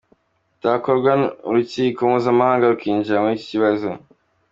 Bitakorwa urukiko mpuzamahanga rukinjira muri iki kibazo.